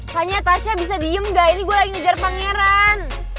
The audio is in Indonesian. hanya tasha bisa diem gak ini gue lagi ngejar pangeran